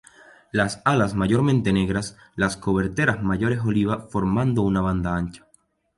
Las alas mayormente negras, las coberteras mayores oliva formando una banda ancha.